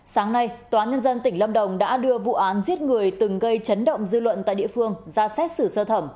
sáng nay tòa nhân dân tỉnh lâm đồng đã đưa vụ án giết người từng gây chấn động dư luận tại địa phương ra xét xử sơ thẩm